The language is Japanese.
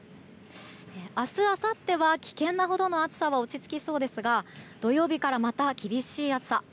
明日あさっては、危険なほどの暑さは落ち着きそうですが土曜日からまた厳しい暑さ。